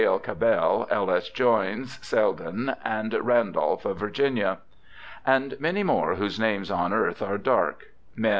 L. Cabell, L. S. Joynes, Selden, and Randolph, of Virginia. 'And many more whose names on earth are dark* —men a!